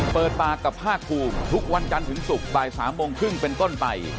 เปิดปากกับภาคภูมิทุกวันจันทร์ถึงศุกร์บ่าย๓โมงครึ่งเป็นต้นไป